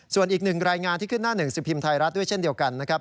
ส่วนอีกหนึ่งรายงานที่ขึ้นหน้าหนึ่งสิบพิมพ์ไทยรัฐด้วยเช่นเดียวกันนะครับ